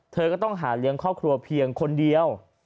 เธอก็ต้องหาเลี้ยงครอบครัวเพียงคนเดียว